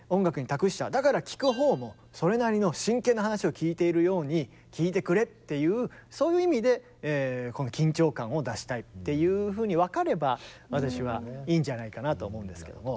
だから聴く方もそれなりの真剣な話を聴いているように聴いてくれっていうそういう意味でこの緊張感を出したいっていうふうに分かれば私はいいんじゃないかなと思うんですけども。